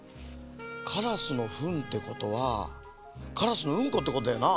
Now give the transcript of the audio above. カラスのフンってことはカラスのウンコってことだよな。